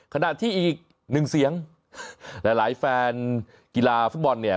ขณะที่อีกหนึ่งเสียงหลายแฟนกีฬาฟุตบอลเนี่ย